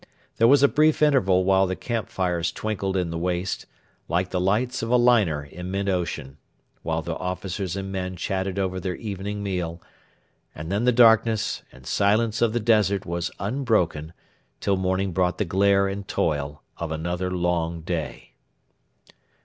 There was a brief interval while the camp fires twinkled in the waste, like the lights of a liner in mid ocean, while the officers and men chatted over their evening meal, and then the darkness and silence of the desert was unbroken till morning brought the glare and toil of another long day.